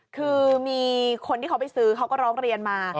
คือมีคนที่เขาไปซื้อเขาก็ร้องเรียนมา